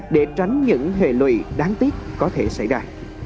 để tránh những hệ lụy đáng tiếc có thể xảy ra